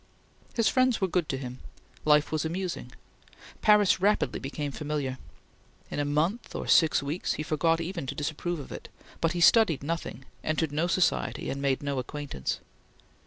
His friends were good to him. Life was amusing. Paris rapidly became familiar. In a month or six weeks he forgot even to disapprove of it; but he studied nothing, entered no society, and made no acquaintance.